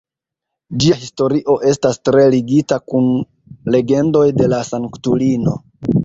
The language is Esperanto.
Ĝia historio estas tre ligita kun legendoj de la sanktulino.